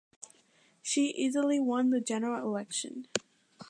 She easily won the general election.